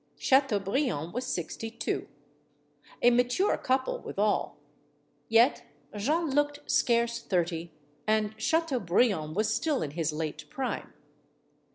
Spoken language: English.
Chateaubriand was sixty two. A mature couple, withal. Yet Jeanne looked scarce thirty, and Chateaubriand was still in his late prime.